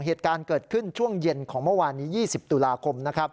เหตุการณ์เกิดขึ้นช่วงเย็นของเมื่อวานนี้๒๐ตุลาคม